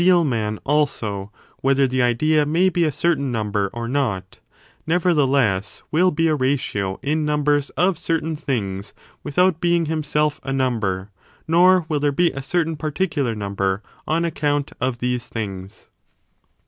[bOOK JL man, also, — whether the idea may be a certain number or not, — nevertheless, will be a ratio in numbers of certain things without being himself a number; nor will there be a certain particular number on account of these things.